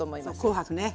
紅白ね。